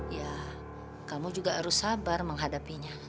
ya kamu juga harus sabar menghadapinya